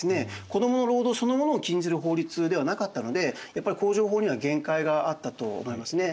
子どもの労働そのものを禁じる法律ではなかったのでやっぱり工場法には限界があったと思いますね。